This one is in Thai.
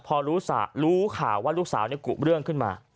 พอรู้ข่าวว่าลูกสาวกุเรื่องขึ้นมา